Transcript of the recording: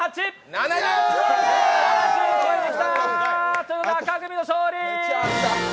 ７０超えてきた！ということで赤組勝利！